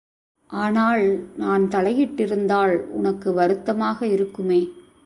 ஆனால், நான் தலையிட்டிருந்தால், உனக்கு வருத்தமாக இருக்குமே!